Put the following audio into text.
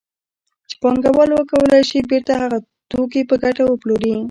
چې پانګوال وکولای شي بېرته هغه توکي په ګټه وپلوري